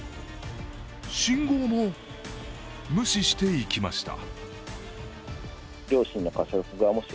信号も無視していきました。